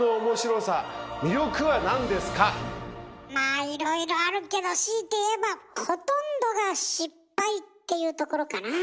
まあいろいろあるけど強いて言えばっていうところかなあ。